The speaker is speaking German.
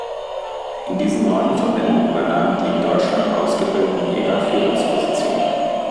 In diesen neuen Verbänden übernahmen die in Deutschland ausgebildeten Jäger Führungspositionen.